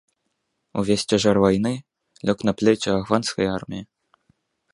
Увесь цяжар вайны лёг на плечы афганскай арміі.